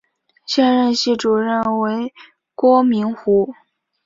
现任系主任为郭明湖。